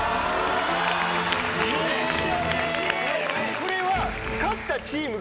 これは。